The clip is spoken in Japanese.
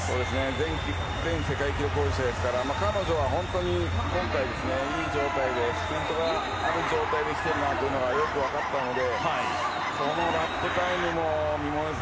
前世界記録保持者ですから彼女は本当に今回、いい状態できているなというのがよく分かったのでこのラップタイムも見ものです。